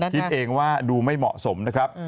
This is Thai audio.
คิดเองว่าดูไม่เหมาะสมนะครับ